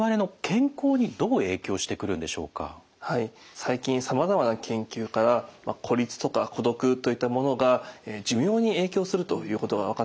最近さまざまな研究から孤立とか孤独といったものが寿命に影響するということが分かってきたんですね。